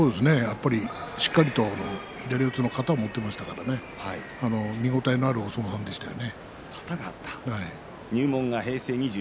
しっかりと左四つの型を持っていましたから見本になるお相撲さんでしたね。